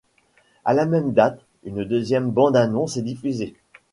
À la même date, une deuxième bande-annonce est diffusée.